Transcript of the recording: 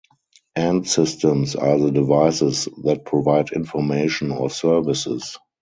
End systems are the devices that provide information or services.